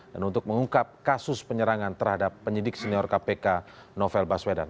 dan untuk mengungkap kasus penyerangan terhadap penyidik senior kpk novel baswedan